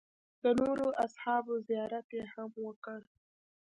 د نورو اصحابو زیارت هم وکړ.